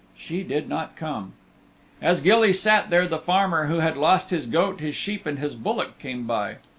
She did not come. As Gilly sat there the farmer who had lost his goat, his sheep and his bullock came by.